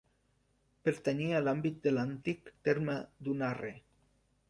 Pertanyia a l'àmbit de l'antic terme d'Unarre.